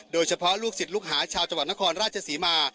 โดยเฉพาะลูกศิษย์ลูกหาชาวจับหวัดนครราชศรีมา